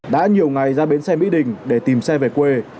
đã nhiều ngày ra bến xe mỹ đình để tìm xe về quê